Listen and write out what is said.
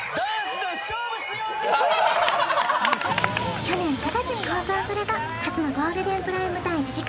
去年９月に放送された初のゴールデンプライム帯１時間